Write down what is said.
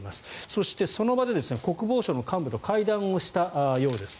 そして、その場で国防省の幹部と会談したようです。